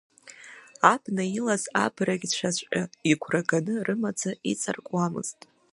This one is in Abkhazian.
Абна илаз абрагьцәаҵәҟьа игәра ганы рымаӡа иҵаркуамызт.